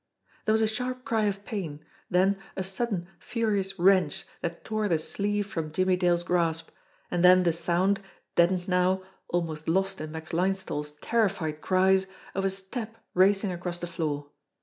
There was a sharp cry of pain; then a sudden, furious wrench that tore the sleeve from Jimmie Dale's grasp and then the sound, deadened now, almost lost in Max Linesthal's terrified cries, of a step racing across the floor.